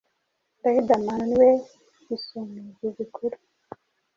Riderman niwe gisumizi gikuru